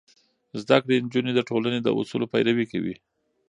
زده کړې نجونې د ټولنې د اصولو پيروي کوي.